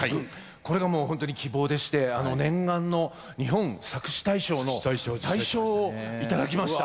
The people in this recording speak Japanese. これがホントに希望でしてあの念願の日本作詩大賞の大賞をいただきました。